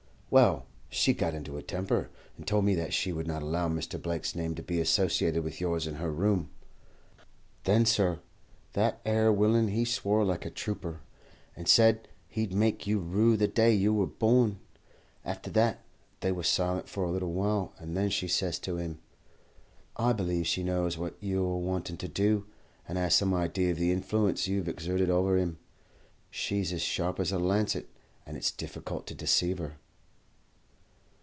"'Well, she got into a temper, and told me that she would not allow Mr. Blake's name to be associated with yours in her room.' "Then, sur, that 'ere willain he swore like a trooper, and said he'd make you rue the day you were born. After that, they were silent for a little while, and then she says to him "'I believe she knows what you are wanting to do, and has some idea of the influence you have exerted over him. She's as sharp as a lancet, and it's difficult to deceive her.'